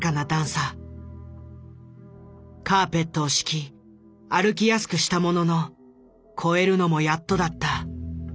カーペットを敷き歩きやすくしたものの越えるのもやっとだった。